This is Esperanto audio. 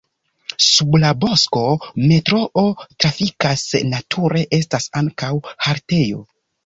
Sub la bosko metroo trafikas, nature estas ankaŭ haltejo.